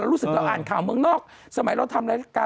รู้สึกเราอ่านข่าวเมืองนอกสมัยเราทำรายการ